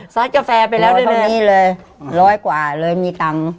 ซัดกาแฟไปแล้วได้ไหมครับ๑๐๐กว่าเลยมีดัง